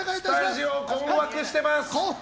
スタジオ、困惑してます。